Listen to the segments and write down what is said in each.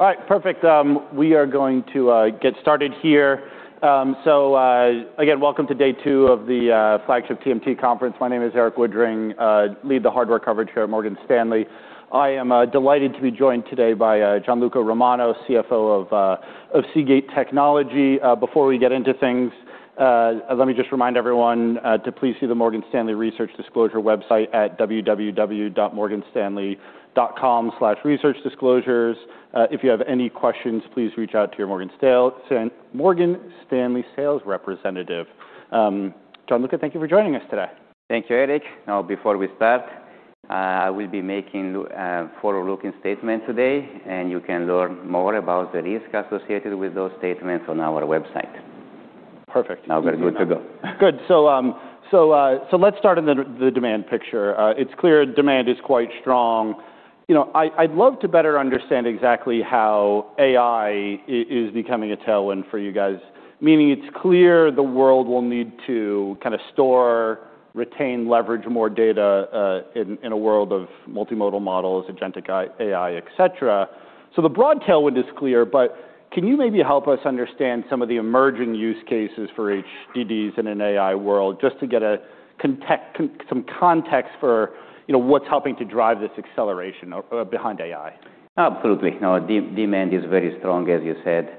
All right, perfect. We are going to get started here. Again, welcome to day two of the flagship TMT conference. My name is Erik Woodring. Lead the hardware coverage here at Morgan Stanley. I am delighted to be joined today by Gianluca Romano, CFO of Seagate Technology. Before we get into things, let me just remind everyone to please see the Morgan Stanley research disclosure website at www.morganstanley.com/researchdisclosures. If you have any questions, please reach out to your Morgan Stanley sales representative. Gianluca, thank you for joining us today. Thank you, Erik. Before we start, we'll be making forward-looking statements today, and you can learn more about the risks associated with those statements on our website. Perfect. Now we're good to go. Good. Let's start on the demand picture. It's clear demand is quite strong. You know, I'd love to better understand exactly how AI is becoming a tailwind for you guys, meaning it's clear the world will need to kinda store, retain, leverage more data, in a world of multimodal models, Agentic AI, et cetera. The broad tailwind is clear, but can you maybe help us understand some of the emerging use cases for HDDs in an AI world, just to get some context for, you know, what's helping to drive this acceleration or behind AI? Absolutely. No, de-demand is very strong, as you said.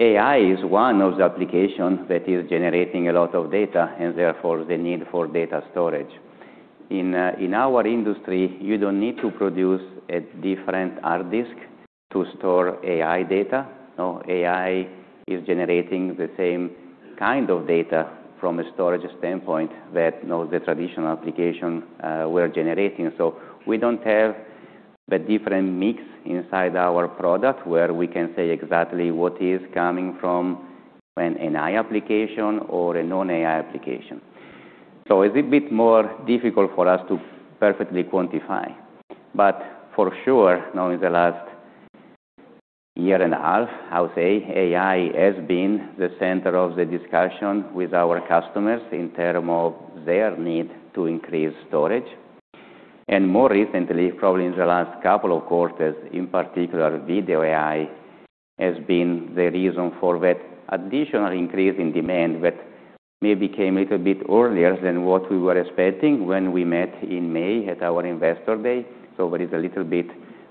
AI is one of the applications that is generating a lot of data, and therefore the need for data storage. In our industry, you don't need to produce a different hard disk to store AI data. No, AI is generating the same kind of data from a storage standpoint that, you know, the traditional application we're generating. We don't have the different mix inside our product where we can say exactly what is coming from an AI application or a non-AI application. It's a bit more difficult for us to perfectly quantify. For sure, now in the last year and a half, I would say, AI has been the center of the discussion with our customers in term of their need to increase storage. More recently, probably in the last couple of quarters, in particular, Video AI has been the reason for that additional increase in demand that maybe came a little bit earlier than what we were expecting when we met in May at our Investor Day. There is a little bit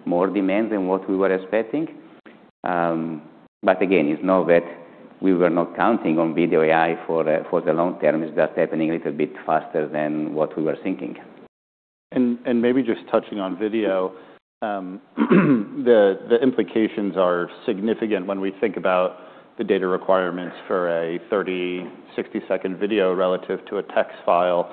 more demand than what we were expecting. Again, it's not that we were not counting on Video AI for the long term. It's just happening a little bit faster than what we were thinking. Maybe just touching on video, the implications are significant when we think about the data requirements for a 30, 60-second video relative to a text file.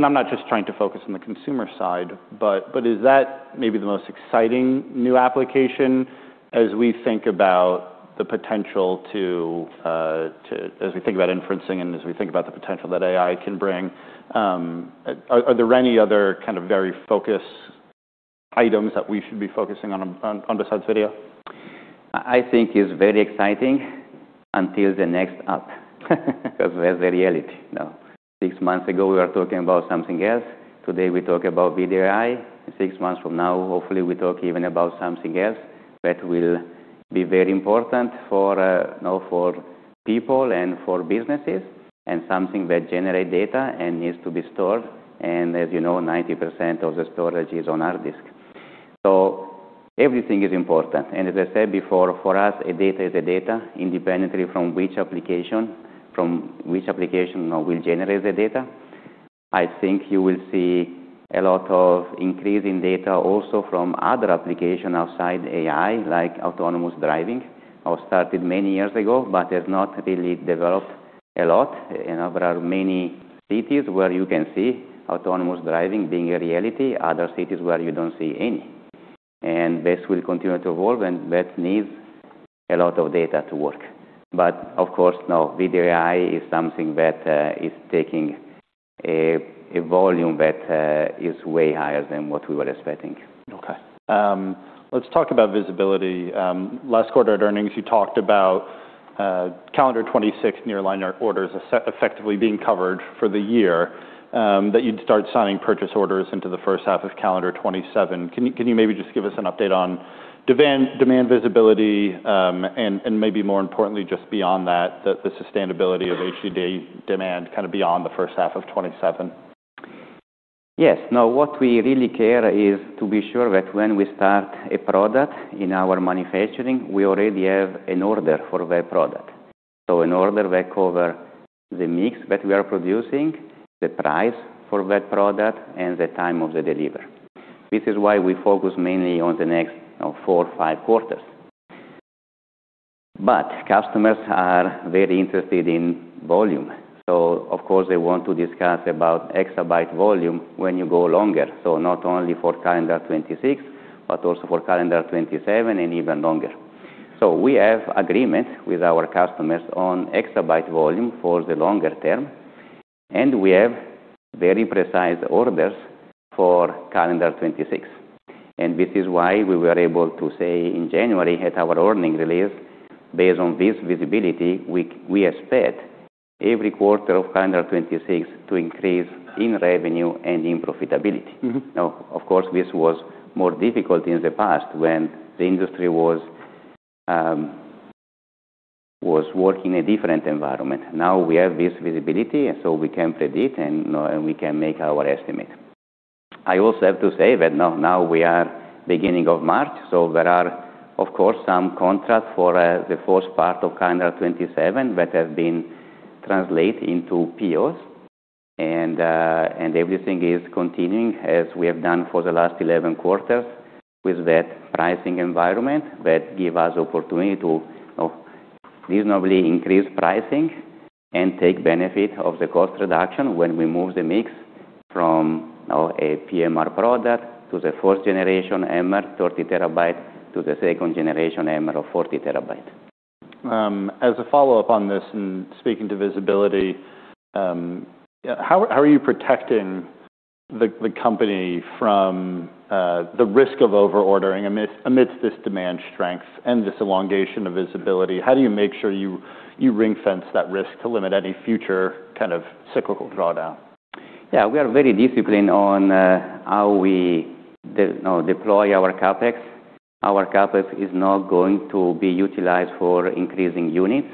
I'm not just trying to focus on the consumer side, but is that maybe the most exciting new application as we think about the potential to as we think about inferencing and as we think about the potential that AI can bring, are there any other kind of very focused items that we should be focusing on besides video? I think it's very exciting until the next app. That's the reality now. Six months ago, we were talking about something else. Today, we talk about Video AI. Six months from now, hopefully we talk even about something else that will be very important for, you know, for people and for businesses and something that generate data and needs to be stored. As you know, 90% of the storage is on hard disk. Everything is important. As I said before, for us, a data is a data independently from which application will generate the data. I think you will see a lot of increase in data also from other application outside AI, like autonomous driving, or started many years ago, but has not really developed a lot. You know, there are many cities where you can see autonomous driving being a reality, other cities where you don't see any. This will continue to evolve, and that needs a lot of data to work. Of course, now Video AI is something that is taking a volume that is way higher than what we were expecting. Okay. Let's talk about visibility. Last quarter at earnings, you talked about calendar 2026 nearline orders effectively being covered for the year, that you'd start signing purchase orders into the first half of calendar 2027. Can you maybe just give us an update on demand visibility, and maybe more importantly, just beyond that, the sustainability of HDD demand kinda beyond the first half of 2027? Yes. What we really care is to be sure that when we start a product in our manufacturing, we already have an order for that product. An order that cover the mix that we are producing, the price for that product, and the time of the delivery. This is why we focus mainly on the next, you know, four, five quarters. Customers are very interested in volume. Of course, they want to discuss about exabyte volume when you go longer. Not only for calendar 2026, but also for calendar 2027 and even longer. We have agreement with our customers on exabyte volume for the longer term, and we have very precise orders for calendar 2026. This is why we were able to say in January at our earnings release, based on this visibility, we expect every quarter of calendar 2026 to increase in revenue and in profitability. Mm-hmm. Now, of course, this was more difficult in the past when the industry was working a different environment. Now we have this visibility, and so we can predict and, you know, and we can make our estimate. I also have to say that now we are beginning of March, so there are of course some contracts for the first part of calendar 2027 that have been translated into POs and everything is continuing as we have done for the last 11 quarters with that pricing environment that give us opportunity to, you know, reasonably increase pricing and take benefit of the cost reduction when we move the mix from, you know, a PMR product to the fourth generation HAMR 30 TB to the second generation HAMR of 40 TB. As a follow-up on this and speaking to visibility, how are you protecting the company from the risk of over-ordering amidst this demand strength and this elongation of visibility? How do you make sure you ring-fence that risk to limit any future kind of cyclical drawdown? We are very disciplined on how we deploy our CapEx. Our CapEx is not going to be utilized for increasing units.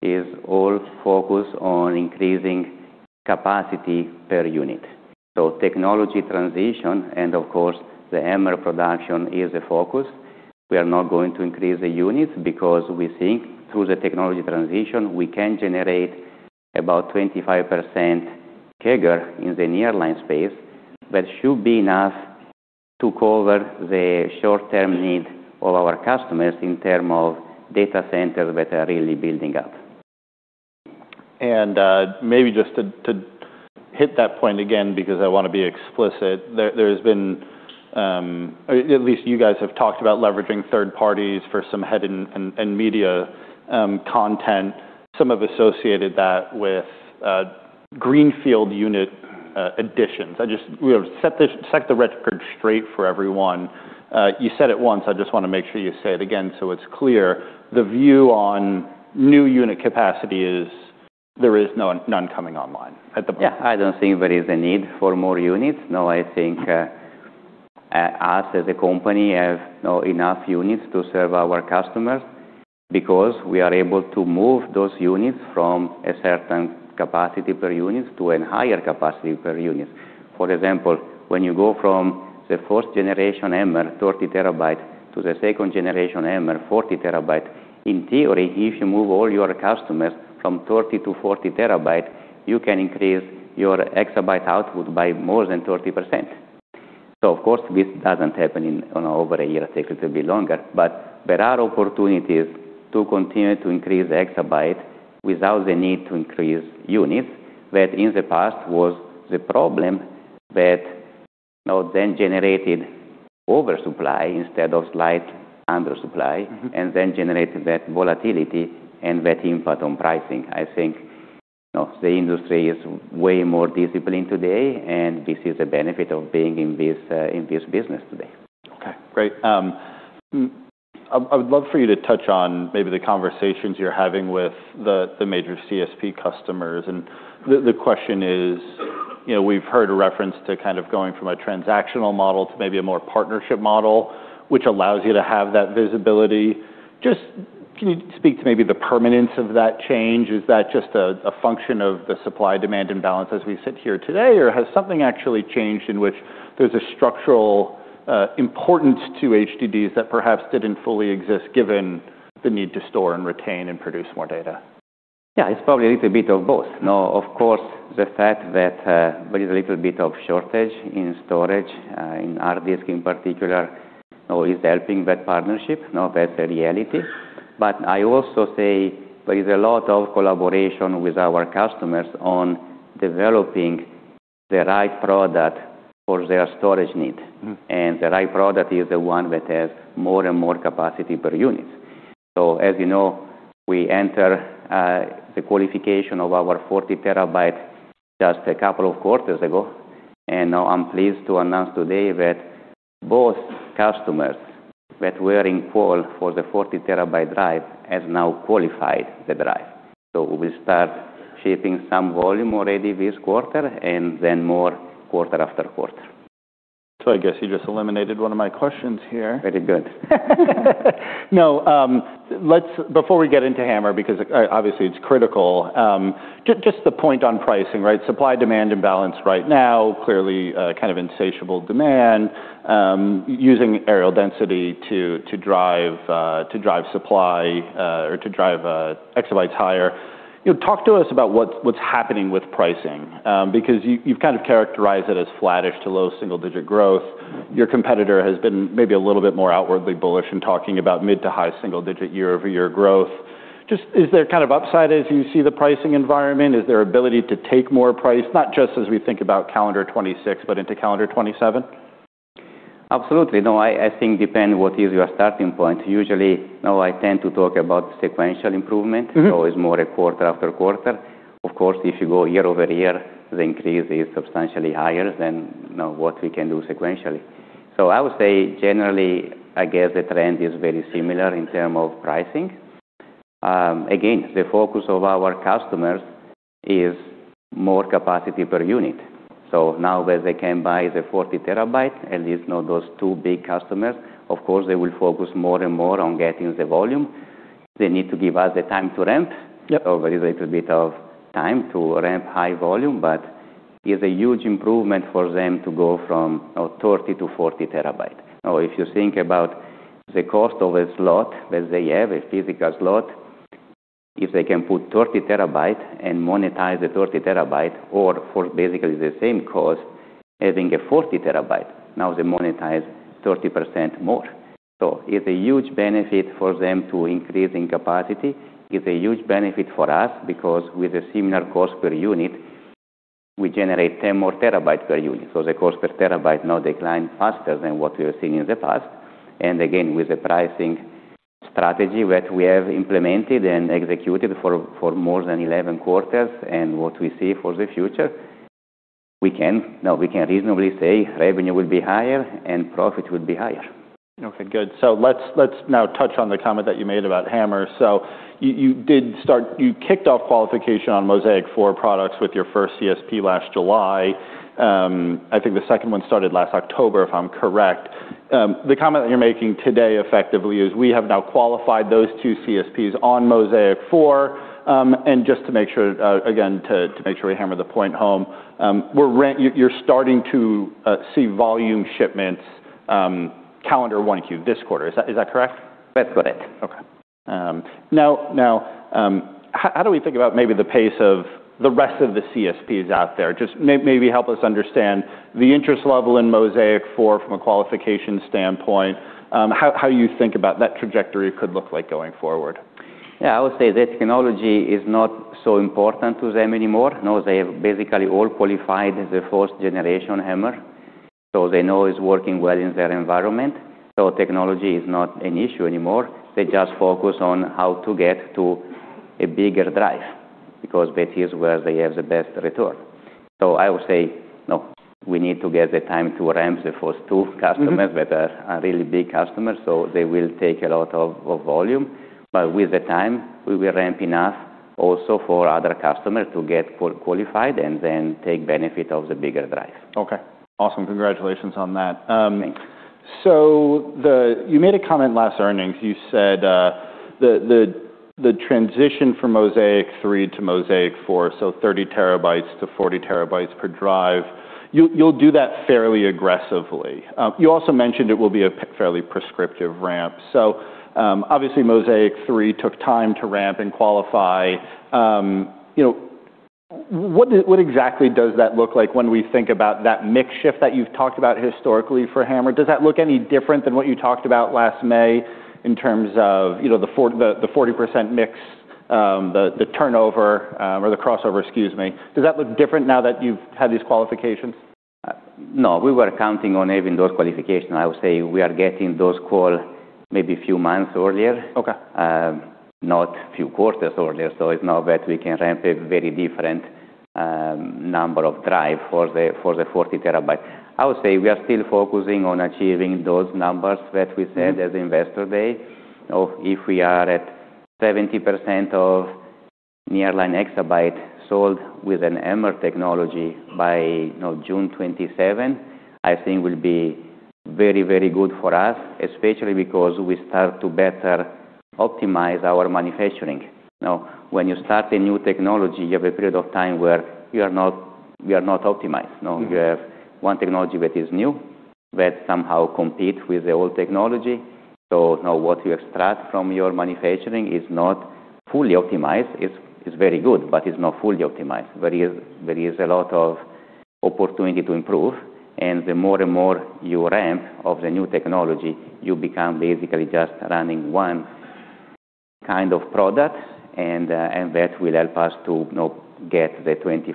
It's all focused on increasing capacity per unit. Technology transition and of course the HAMR production is a focus. We are not going to increase the units because we think through the technology transition, we can generate about 25% CAGR in the nearline space. That should be enough to cover the short-term need of our customers in term of data centers that are really building up. Maybe just to hit that point again, because I want to be explicit, there has been. At least you guys have talked about leveraging third parties for some head and media content. Some have associated that with greenfield unit additions. We have set the record straight for everyone. You said it once. I just want to make sure you say it again so it's clear. The view on new unit capacity is there is none coming online at the moment. Yeah. I don't think there is a need for more units. I think, us as a company have, you know, enough units to serve our customers because we are able to move those units from a certain capacity per unit to an higher capacity per unit. For example, when you go from the fourth generation HAMR 30 TB to the second generation HAMR 40 TB, in theory, if you move all your customers from 30 to 40 TB, you can increase your exabyte output by more than 30%. Of course, this doesn't happen in, you know, over a year. It takes a little bit longer. There are opportunities to continue to increase the exabyte without the need to increase units that in the past was the problem that, you know, then generated oversupply instead of slight undersupply. Mm-hmm. Generated that volatility and that impact on pricing. I think, you know, the industry is way more disciplined today. This is a benefit of being in this business today. Okay. Great. I would love for you to touch on maybe the conversations you're having with the major CSP customers. And the question is, you know, we've heard a reference to kind of going from a transactional model to maybe a more partnership model, which allows you to have that visibility. Just can you speak to maybe the permanence of that change? Is that just a function of the supply-demand imbalance as we sit here today, or has something actually changed in which there's a structural importance to HDDs that perhaps didn't fully exist given the need to store and retain and produce more data? Yeah. It's probably a little bit of both. You know, of course, the fact that there is a little bit of shortage in storage, in hard disk in particular, you know, is helping that partnership. You know, that's the reality. I also say there is a lot of collaboration with our customers on developing the right product for their storage need. Mm. The right product is the one that has more and more capacity per unit. As you know, we enter the qualification of our 40 TB just a couple of quarters ago, and now I'm pleased to announce today that both customers that were involved for the 40 TB drive has now qualified the drive. We start shipping some volume already this quarter and then more quarter after quarter. I guess you just eliminated one of my questions here. Very good. No. Before we get into HAMR, because obviously it's critical, just the point on pricing, right? Supply-demand imbalance right now, clearly, kind of insatiable demand, using areal density to drive supply, or to drive exabytes higher. You know, talk to us about what's happening with pricing. Because you've kind of characterized it as flattish to low single-digit growth. Your competitor has been maybe a little bit more outwardly bullish in talking about mid to high single-digit year-over-year growth. Just is there kind of upside as you see the pricing environment? Is there ability to take more price, not just as we think about calendar 2026, but into calendar 2027? Absolutely. No, I think depend what is your starting point. Usually, you know, I tend to talk about sequential improvement. Mm-hmm. It's more a quarter-after-quarter. Of course, if you go year-over-year, the increase is substantially higher than, you know, what we can do sequentially. I would say generally, I guess the trend is very similar in term of pricing. Again, the focus of our customers is more capacity per unit. Now that they can buy the 40 TB, at least know those two big customers, of course, they will focus more and more on getting the volume. They need to give us the time to ramp. Yep. Very little bit of time to ramp high volume, but it's a huge improvement for them to go from, you know, 30 to 40 TB. If you think about the cost of a slot that they have, a physical slot, if they can put 30 TB and monetize the 30 TB or for basically the same cost, having a 40 TB, now they monetize 30% more. It's a huge benefit for them to increase in capacity. It's a huge benefit for us because with a similar cost per unit, we generate 10 more terabytes per unit. The cost per terabyte now decline faster than what we have seen in the past. Again, with the pricing strategy that we have implemented and executed for more than 11 quarters and what we see for the future, now we can reasonably say revenue will be higher and profit will be higher. Okay, good. let's now touch on the comment that you made about HAMR. you did kick off qualification on Mozaic 4+ products with your first CSP last July. I think the second one started last October, if I'm correct. The comment that you're making today effectively is we have now qualified those two CSPs on Mozaic 4+, and just to make sure, again, to make sure we hammer the point home, you're starting to see volume shipments, calendar 1Q this quarter. Is that correct? That's correct. Okay. Now, how do we think about maybe the pace of the rest of the CSPs out there? Maybe help us understand the interest level in Mozaic 4+ from a qualification standpoint, how you think about that trajectory could look like going forward? Yeah, I would say the technology is not so important to them anymore. Now, they have basically all qualified the first generation HAMR, so they know it's working well in their environment. Technology is not an issue anymore. They just focus on how to get to a bigger drive because that is where they have the best return. I would say, no, we need to get the time to ramp the first two customers that are really big customers, so they will take a lot of volume. With the time, we will ramp enough also for other customers to get qualified and then take benefit of the bigger drive. Okay. Awesome. Congratulations on that. Thanks. You made a comment last earnings. You said, the transition from Mozaic 3+ to Mozaic 4+, so 30 TB to 40 TB per drive, you'll do that fairly aggressively. You also mentioned it will be a fairly prescriptive ramp. Obviously, Mozaic 3+ took time to ramp and qualify. You know, what exactly does that look like when we think about that mix shift that you've talked about historically for HAMR? Does that look any different than what you talked about last May in terms of, you know, the 40% mix, the turnover, or the crossover, excuse me. Does that look different now that you've had these qualifications? We were counting on having those qualification. I would say we are getting those call maybe a few months earlier. Okay. Not few quarters earlier. It's not that we can ramp a very different number of drive for the 40 TB. I would say we are still focusing on achieving those numbers that we said at Investor Day of if we are at 70% of nearline exabyte sold with an HAMR technology by, you know, June 2027, I think will be very, very good for us, especially because we start to better optimize our manufacturing. You know, when you start a new technology, you have a period of time where you are not, we are not optimized. Mm-hmm. You have one technology that is new that somehow compete with the old technology. Now, what you extract from your manufacturing is not fully optimized. It's very good, but it's not fully optimized. There is a lot of opportunity to improve. The more and more you ramp of the new technology, you become basically just running one kind of product, and that will help us to, you know, get the 25%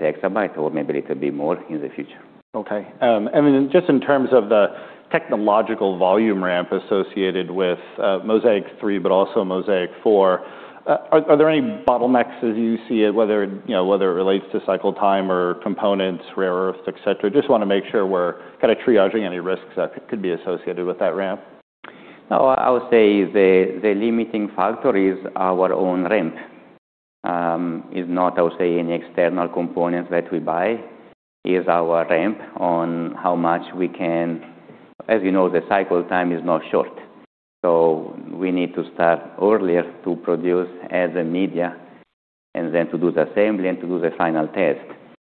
exabyte or maybe little bit more in the future. Okay. I mean, just in terms of the technological volume ramp associated with Mozaic 3+, but also Mozaic 4+, are there any bottlenecks as you see it, whether, you know, whether it relates to cycle time or components, rare earths, et cetera? Just wanna make sure we're kind of triaging any risks that could be associated with that ramp. I would say the limiting factor is our own ramp. It's not, I would say, any external components that we buy. It is our ramp on how much we can. You know, the cycle time is not short. We need to start earlier to produce as a media, to do the assembly and to do the final test.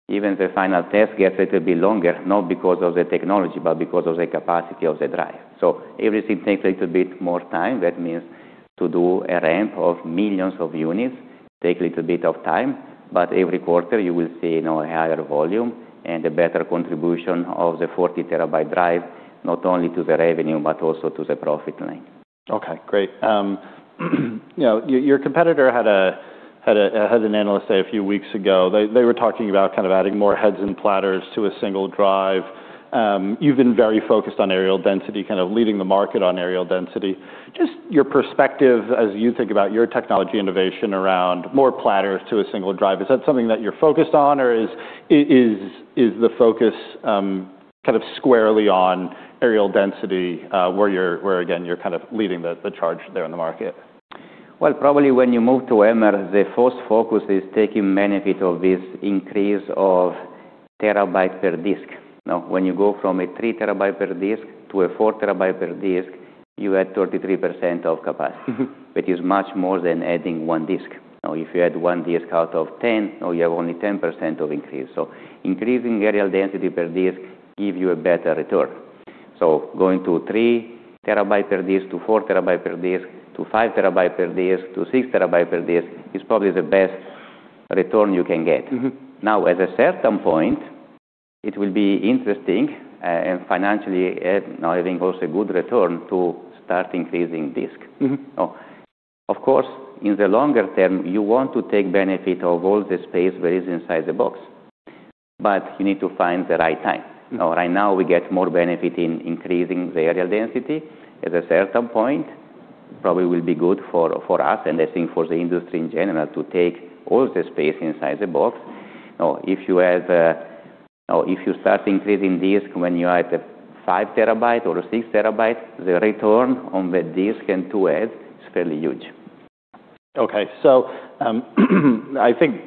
Even the final test gets a little bit longer, not because of the technology, but because of the capacity of the drive. Everything takes a little bit more time. That means to do a ramp of millions of units take a little bit of time. Every quarter, you will see now a higher volume and a better contribution of the 40 TB drive, not only to the revenue, but also to the profit line. Okay, great. you know, your competitor had an Analyst Day a few weeks ago, they were talking about kind of adding more heads and platters to a single drive. you've been very focused on areal density, kind of leading the market on areal density. Just your perspective as you think about your technology innovation around more platters to a single drive, is that something that you're focused on, or is the focus, kind of squarely on areal density, where you're, where again, you're kind of leading the charge there in the market? Well, probably when you move to HAMR, the first focus is taking benefit of this increase of terabyte per disk. Now, when you go from a 3 TB per disk to a 4 TB per disk, you add 33% of capacity, which is much more than adding one disk. Now, if you add one disk out of 10, now you have only 10% of increase. Increasing areal density per disk give you a better return. Going to 3 TB per disk to 4 TB per disk to 5 TB per disk to 6 TB per disk is probably the best return you can get. Mm-hmm. At a certain point, it will be interesting and financially, I think, also a good return to start increasing disk. Mm-hmm. Of course, in the longer term, you want to take benefit of all the space that is inside the box, but you need to find the right time. Right now, we get more benefit in increasing the areal density. At a certain point, probably will be good for us and I think for the industry in general to take all the space inside the box. If you start increasing disk when you are at 5 TB or 6 TB, the return on the disk and to add is fairly huge. Okay. I think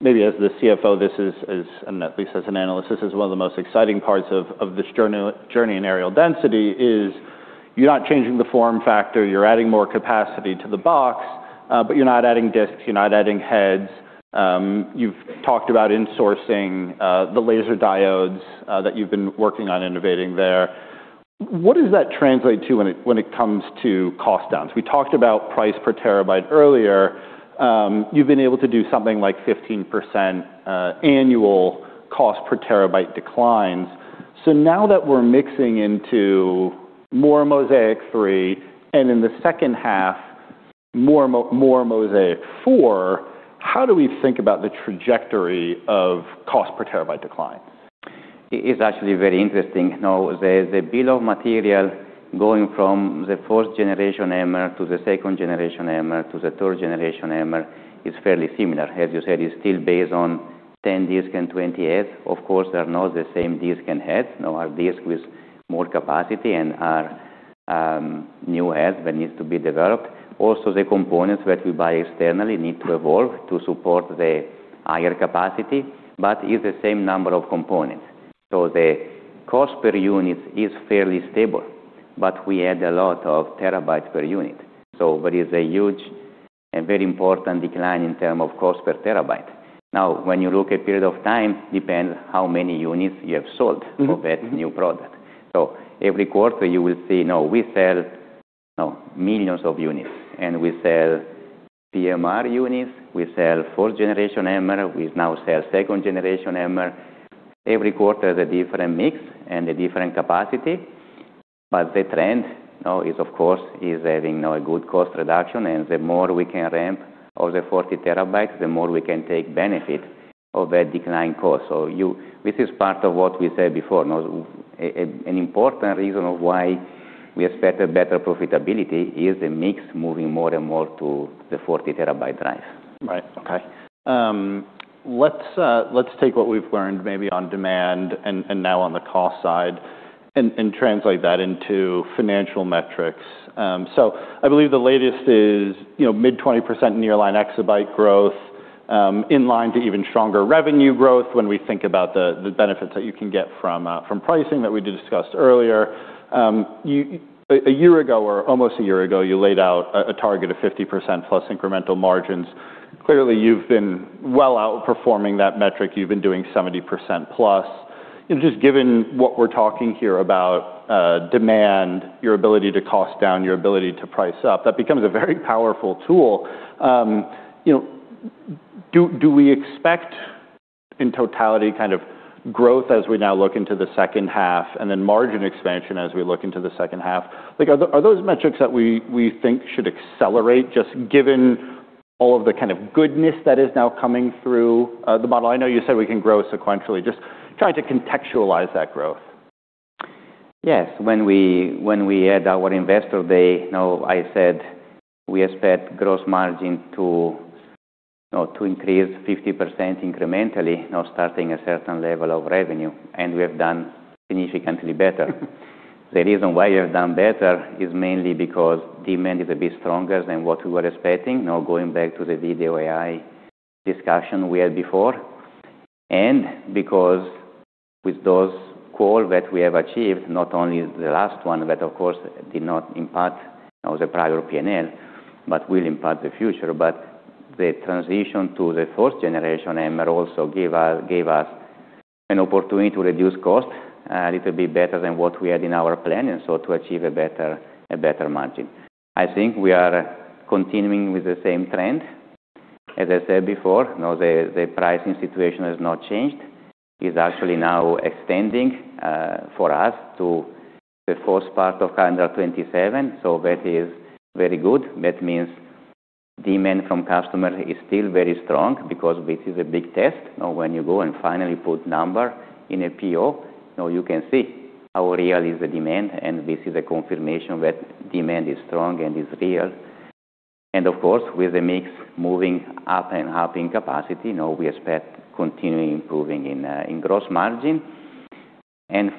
maybe as the CFO, this is, and at least as an analyst, this is one of the most exciting parts of this journey in areal density is you're not changing the form factor, you're adding more capacity to the box, but you're not adding disks, you're not adding heads. You've talked about insourcing the laser diodes that you've been working on innovating there. What does that translate to when it comes to cost downs? We talked about price per terabyte earlier. You've been able to do something like 15% annual cost per terabyte declines. Now, that we're mixing into more Mozaic 3+, and in the second half, more Mozaic 4+, how do we think about the trajectory of cost per terabyte decline? It is actually very interesting. The bill of material going from the first generation HAMR to the second generation HAMR to the third generation HAMR is fairly similar. As you said, it's still based on 10 disk and 20 heads. Of course, they are not the same disk and heads. Our disk with more capacity and our new heads that needs to be developed. Also, the components that we buy externally need to evolve to support the higher capacity, but it's the same number of components. The cost per unit is fairly stable, but we add a lot of terabytes per unit. There is a huge and very important decline in term of cost per terabyte. When you look at period of time, depends how many units you have sold. Mm-hmm. For that new product. Every quarter, you will see, you know, we sell millions of units, and we sell PMR units, we sell fourth generation HAMR, we now sell second generation HAMR. Every quarter is a different mix and a different capacity, but the trend now is, of course, is having a good cost reduction, and the more we can ramp all the 40 TB, the more we can take benefit of that decline cost. This is part of what we said before. An important reason of why we expect a better profitability is the mix moving more and more to the 40 TB drive. Right. Okay. Let's take what we've learned maybe on demand and now on the cost side and translate that into financial metrics. I believe the latest is, you know, mid 20% nearline exabyte growth in line to even stronger revenue growth when we think about the benefits that you can get from pricing that we discussed earlier. A year ago or almost a year ago, you laid out a target of 50%+ incremental margins. Clearly, you've been well outperforming that metric. You've been doing 70%+. Just given what we're talking here about demand, your ability to cost down, your ability to price up, that becomes a very powerful tool. You know, do we expect in totality kind of growth as we now look into the second half and then margin expansion as we look into the second half? Like, are those metrics that we think should accelerate just given all of the kind of goodness that is now coming through the model? I know you said we can grow sequentially. Just try to contextualize that growth. Yes. When we had our Investor Day, you know, I said we expect gross margin to, you know, to increase 50% incrementally, you know, starting a certain level of revenue. We have done significantly better. The reason why we have done better is mainly because demand is a bit stronger than what we were expecting. Now, going back to the Video AI discussion we had before, because with those call that we have achieved, not only the last one, that of course, did not impact, you know, the prior P&L, but will impact the future. The transition to the first generation HAMR also gave us an opportunity to reduce cost a little bit better than what we had in our plan, to achieve a better margin. I think we are continuing with the same trend. As I said before, you know, the pricing situation has not changed. It's actually now extending for us to the first part of 2027. That is very good. That means demand from customer is still very strong because this is a big test. You know, when you go and finally put number in a PO, you know, you can see how real is the demand, and this is a confirmation that demand is strong and is real. Of course, with the mix moving up and up in capacity, you know, we expect continuing improving in gross margin.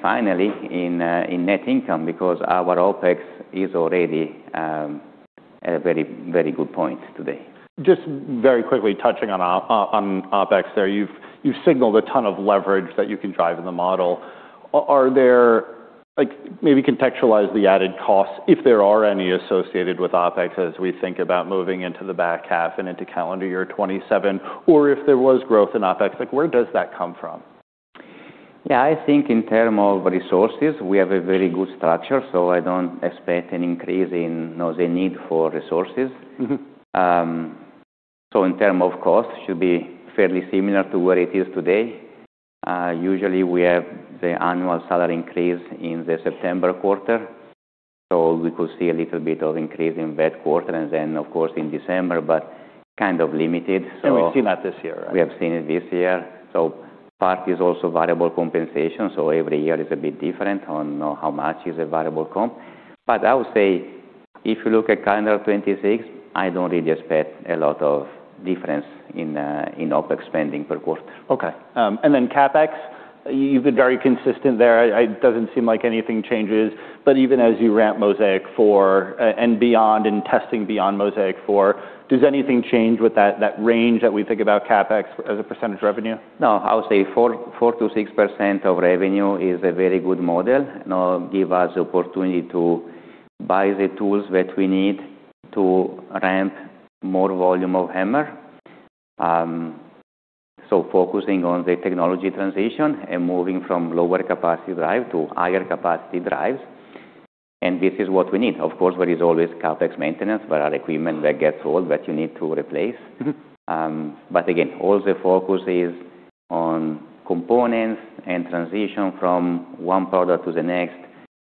Finally, in net income because our OpEx is already at a very, very good point today. Just very quickly touching on OpEx there. You've signaled a ton of leverage that you can drive in the model. Are there, like, maybe contextualize the added costs, if there are any associated with OpEx as we think about moving into the back half and into calendar year 2027, or if there was growth in OpEx, like where does that come from? Yeah. I think in terms of resources, we have a very good structure, so I don't expect an increase in, you know, the need for resources. Mm-hmm. In terms of cost, should be fairly similar to where it is today. Usually we have the annual salary increase in the September quarter, so we could see a little bit of increase in that quarter and then of course in December, but kind of limited. We've seen that this year, right? We have seen it this year. Part is also variable compensation, so every year is a bit different on how much is the variable comp. I would say if you look at calendar 2026, I don't really expect a lot of difference in OpEx spending per quarter. CapEx, you've been very consistent there. It doesn't seem like anything changes. Even as you ramp Mozaic 4+ and beyond, and testing beyond Mozaic 4+, does anything change with that range that we think about CapEx as a percentage of revenue? No. I would say 4% to 6% of revenue is a very good model. You know, give us the opportunity to buy the tools that we need to ramp more volume of HAMR. Focusing on the technology transition and moving from lower capacity drive to higher capacity drives, and this is what we need. Of course, there is always CapEx maintenance. There are equipment that gets old that you need to replace. Mm-hmm. Again, all the focus is on components and transition from one product to the next.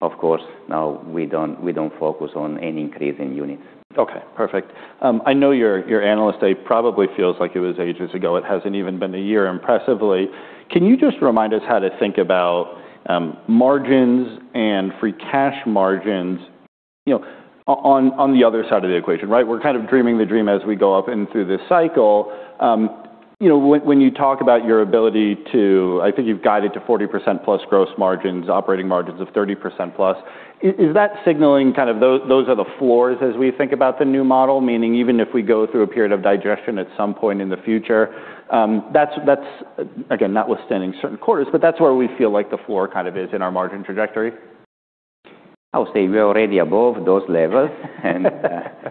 Of course, now we don't focus on any increase in units. Okay, perfect. I know your Analyst Day probably feels like it was ages ago. It hasn't even been a year, impressively. Can you just remind us how to think about margins and free cash margins, you know, on the other side of the equation, right? We're kind of dreaming the dream as we go up in through this cycle. You know, when you talk about your ability to. I think you've guided to 40%+ gross margins, operating margins of 30%+. Is that signaling kind of those are the floors as we think about the new model, meaning even if we go through a period of digestion at some point in the future, that's, again, notwithstanding certain quarters, but that's where we feel like the floor kind of is in our margin trajectory? I would say we are already above those levels, the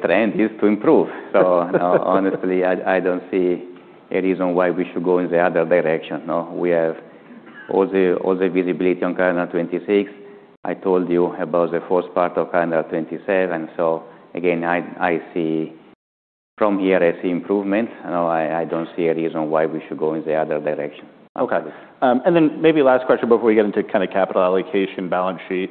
trend is to improve. Honestly, I don't see a reason why we should go in the other direction. We have all the visibility on calendar 2026. I told you about the first part of calendar 2027. Again, From here, I see improvement. You know, I don't see a reason why we should go in the other direction. Okay. Maybe last question before we get into kinda capital allocation, balance sheet.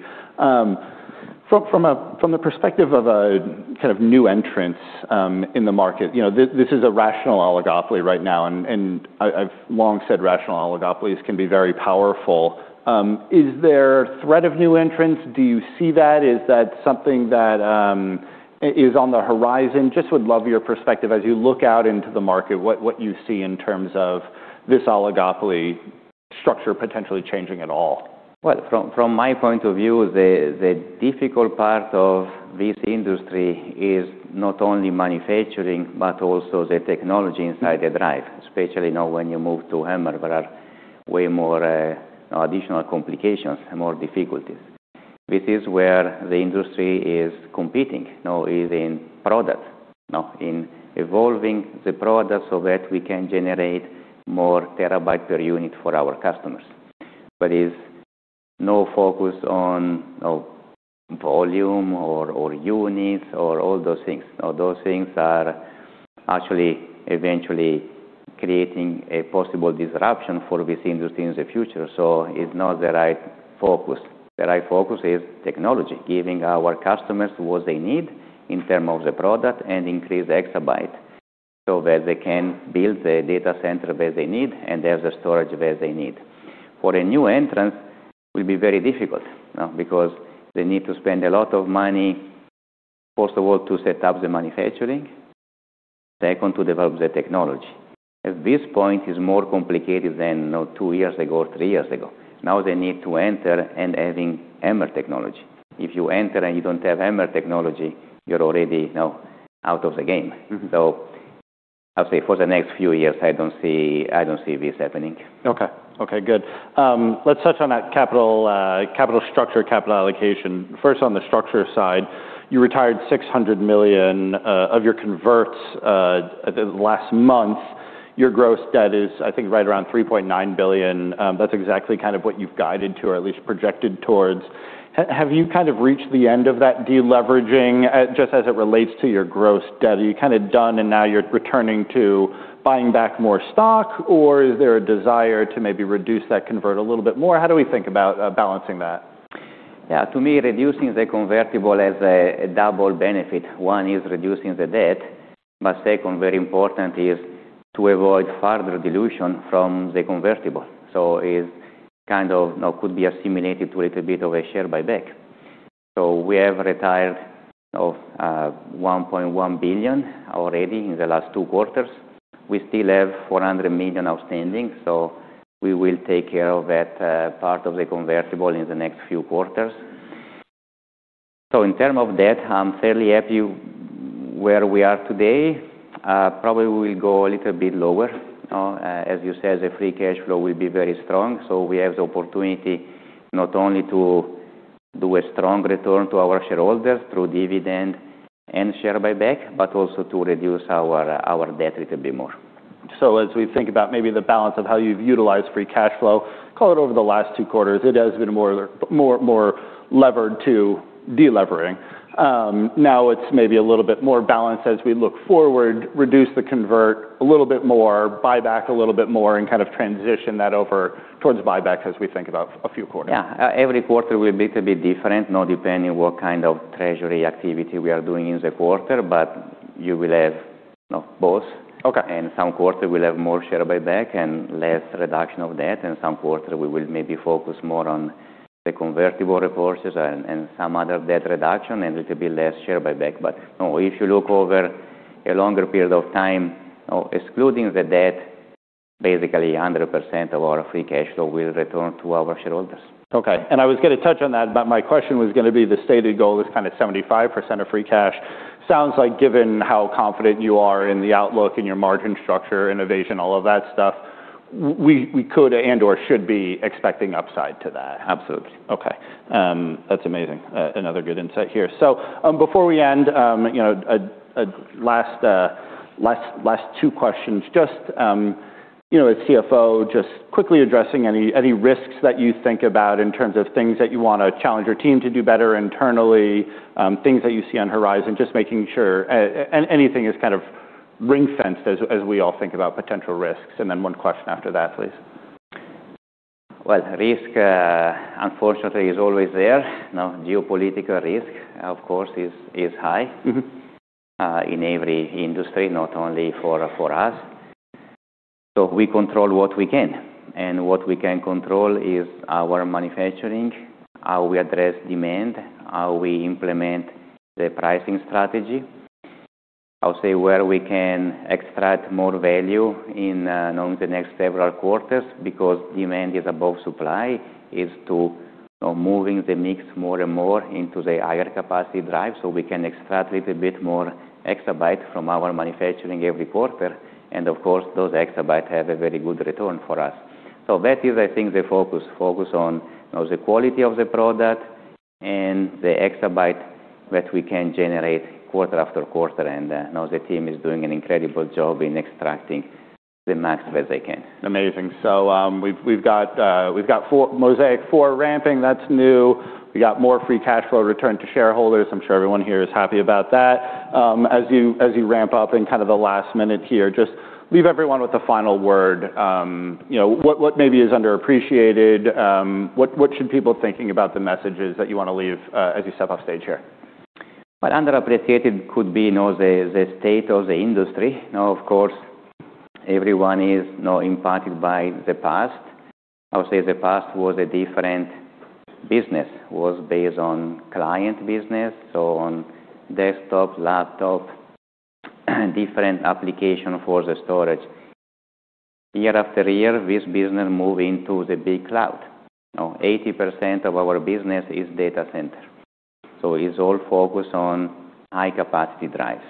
From the perspective of a kind of new entrants in the market, you know, this is a rational oligopoly right now, and I've long said rational oligopolies can be very powerful. Is there threat of new entrants? Do you see that? Is that something that is on the horizon? Just would love your perspective as you look out into the market, what you see in terms of this oligopoly structure potentially changing at all. Well, from my point of view, the difficult part of this industry is not only manufacturing, but also the technology inside the drive, especially now when you move to HAMR, there are way more, you know, additional complications, more difficulties. This is where the industry is competing, you know, is in product. In evolving the product so that we can generate more terabyte per unit for our customers. Is no focus on, you know, volume or units or all those things. Those things are actually eventually creating a possible disruption for this industry in the future, so it's not the right focus. The right focus is technology, giving our customers what they need in term of the product and increase the exabyte so that they can build the data center where they need and have the storage where they need. For a new entrant, will be very difficult, you know, because they need to spend a lot of money, first of all, to set up the manufacturing, second, to develop the technology. At this point, it's more complicated than, you know, two years ago or three years ago. Now, they need to enter and adding HAMR technology. If you enter and you don't have HAMR technology, you're already, you know, out of the game. Mm-hmm. I'll say for the next few years, I don't see this happening. Okay. Okay, good. Let's touch on that capital structure, capital allocation. First on the structure side, you retired $600 million of your converts the last month. Your gross debt is, I think, right around $3.9 billion. That's exactly kind of what you've guided to or at least projected towards. Have you kind of reached the end of that deleveraging just as it relates to your gross debt? Are you kinda done and now you're returning to buying back more stock, or is there a desire to maybe reduce that convert a little bit more? How do we think about balancing that? Yeah. To me, reducing the convertible has a double benefit. One is reducing the debt, second, very important, is to avoid further dilution from the convertible. Is kind of, you know, could be assimilated to a little bit of a share buyback. We have retired of $1.1 billion already in the last two quarters. We still have $400 million outstanding, we will take care of that part of the convertible in the next few quarters. In terms of debt, I'm fairly happy where we are today. Probably we will go a little bit lower. As you said, the free cash flow will be very strong, we have the opportunity not only to do a strong return to our shareholders through dividend and share buyback, but also to reduce our debt little bit more. As we think about maybe the balance of how you've utilized free cash flow, call it over the last two quarters, it has been more levered to de-levering. Now it's maybe a little bit more balanced as we look forward, reduce the convert a little bit more, buyback a little bit more, and kind of transition that over towards buyback as we think about a few quarters. Every quarter will be a bit different, you know, depending what kind of treasury activity we are doing in the quarter, but you will have, you know, both. Okay. Some quarter will have more share buyback and less reduction of debt, and some quarter we will maybe focus more on the convertible resources and some other debt reduction, and it will be less share buyback. You know, if you look over a longer period of time, you know, excluding the debt, basically 100% of our free cash flow will return to our shareholders. Okay. I was gonna touch on that, but my question was gonna be the stated goal is kinda 75% of free cash. Sounds like given how confident you are in the outlook, in your margin structure, innovation, all of that stuff, we could and/or should be expecting upside to that. Absolutely. Okay. That's amazing. Another good insight here. Before we end, you know, a last two questions. Just, you know, as CFO, just quickly addressing any risks that you think about in terms of things that you wanna challenge your team to do better internally, things that you see on horizon, just making sure and anything is kind of ring-fenced as we all think about potential risks. One question after that, please. Well, risk, unfortunately is always there. You know, geopolitical risk, of course, is high- Mm-hmm ...in every industry, not only for us. We control what we can, and what we can control is our manufacturing, how we address demand, how we implement the pricing strategy. I'll say where we can extract more value in, you know, the next several quarters because demand is above supply, is to, you know, moving the mix more and more into the higher capacity drive, so we can extract little bit more exabyte from our manufacturing every quarter. Of course, those exabyte have a very good return for us. That is, I think, the focus. Focus on, you know, the quality of the product and the exabyte that we can generate quarter after quarter. You know, the team is doing an incredible job in extracting the maximum as they can. Amazing. We've got Mozaic 4+ ramping, that's new. We got more free cash flow return to shareholders. I'm sure everyone here is happy about that. As you ramp up in kind of the last minute here, just leave everyone with a final word. You know, what maybe is underappreciated? What should people thinking about the messages that you wanna leave, as you step off stage here? Well, underappreciated could be, you know, the state of the industry. Of course, everyone is, you know, impacted by the past. I would say the past was a different business, was based on client business, so on desktop, laptop, different application for the storage. Year after year, this business move into the big cloud. 80% of our business is data center, so it's all focused on high capacity drives.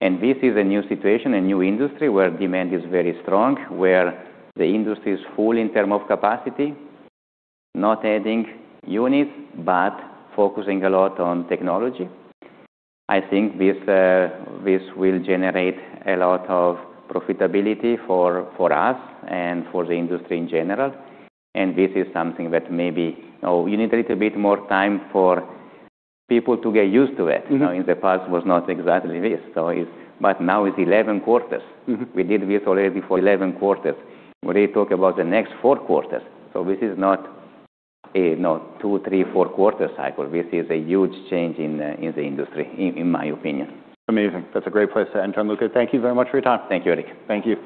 This is a new situation, a new industry where demand is very strong, where the industry is full in term of capacity, not adding units, but focusing a lot on technology. I think this will generate a lot of profitability for us and for the industry in general. This is something that maybe, you know, you need a little bit more time for people to get used to it. Mm-hmm. You know, in the past was not exactly this, but now it's 11 quarters. Mm-hmm. We did this already for 11 quarters. We only talk about the next four quarters. This is not a, you know, two, three, four quarter cycle. This is a huge change in the industry, in my opinion. Amazing. That's a great place to end, Gianluca. Thank you very much for your time. Thank you, Erik. Thank you.